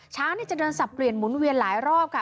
ช้างจะเดินสับเปลี่ยนหมุนเวียนหลายรอบค่ะ